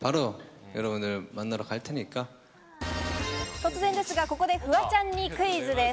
突然ですが、ここでフワちゃんにクイズです。